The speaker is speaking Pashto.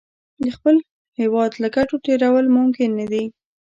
د خپل هېواد له ګټو تېرول ممکن نه دي.